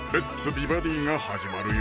美バディ」が始まるよ